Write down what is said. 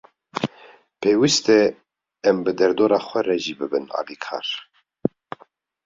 Pêwîst e em bi derdora xwe re jî bibin alîkar.